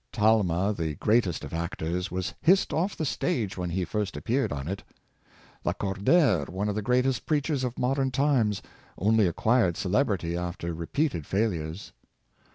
Talma, the greatest of actors, was hissed off the stage when he first appeared on it. Lacordaire, one of the greatest preachers of modern times, only acquired celebrity after repeated failures.